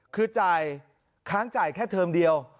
คือจ่ายค้างจ่ายแค่เทอมเดียว